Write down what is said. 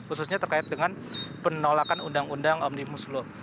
khususnya terkait dengan penolakan undang undang omnibus law